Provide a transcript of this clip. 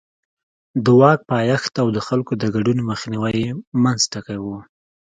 د واک پایښت او د خلکو د ګډون مخنیوی یې منځ ټکی و.